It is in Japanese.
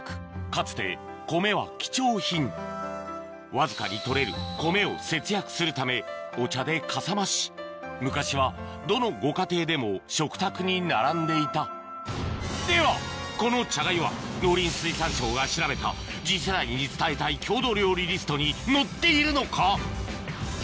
かつて米は貴重品わずかに取れる米を節約するためお茶でかさまし昔はどのご家庭でも食卓に並んでいたではこの茶がゆは農林水産省が調べた次世代に伝えたい郷土料理リストに載っているのか？